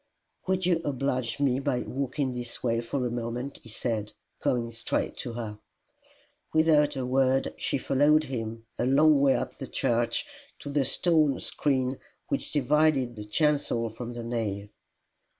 "Would you oblige me by walking this way for a moment?" he said, coming straight to her. Without a word she followed him, a long way up the church, to the stone screen which divided the chancel from the nave.